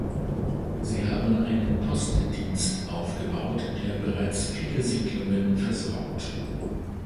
Sie haben einen Postdienst aufgebaut, der bereits viele Siedlungen versorgt.